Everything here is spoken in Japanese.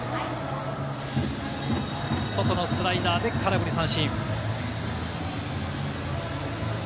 外のスライダーで空振り三振。